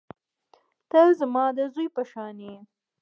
ته زما د زوى په شانتې يې.